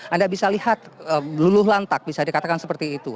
anda bisa lihat luluh lantak bisa dikatakan seperti itu